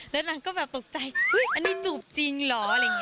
แล้วนักก็แบบตกใจอุ๊ยอันนี้จูบจริงเหรอ